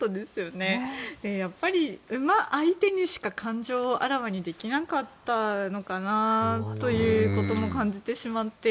やっぱり馬相手にしか感情をあらわにできなかったのかなというのも感じてしまって。